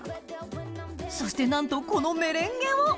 そしてなんとこのメレンゲを！